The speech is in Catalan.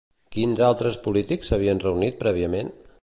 Quins altres polítics s'havien reunit prèviament?